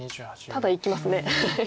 ただいきますね。